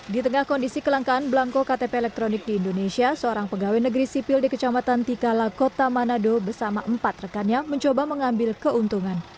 di tengah kondisi kelangkaan belangko ktp elektronik di indonesia seorang pegawai negeri sipil di kecamatan tikala kota manado bersama empat rekannya mencoba mengambil keuntungan